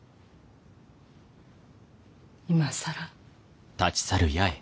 今更。